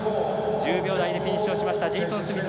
１０秒台でフィニッシュしたスミス。